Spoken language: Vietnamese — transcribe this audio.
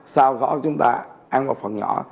sau đó chúng ta ăn một phần nhỏ